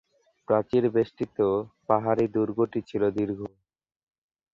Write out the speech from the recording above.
প্রাচীরবেষ্টিত পাহাড়ি দুর্গটি ছিল দীর্ঘ।